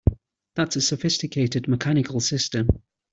That's a sophisticated mechanical system!